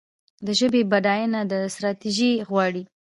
د ژبې بډاینه ستراتیژي غواړي.